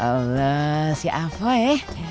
allah si apoi